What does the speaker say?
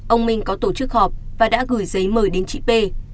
ông minh có tổ chức họp và đã gửi giấy mời đến chị p